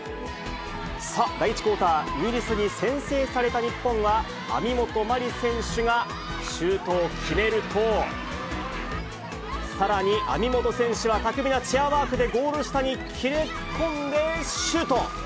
さあ、第１クオーター、イギリスに先制された日本は、網本麻里選手がシュートを決めると、さらに網本選手は巧みなチェアワークでゴール下に切れ込んでシュート。